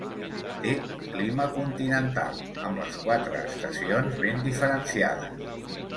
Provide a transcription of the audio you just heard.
Té un clima continental, amb les quatre estacions ben diferenciades.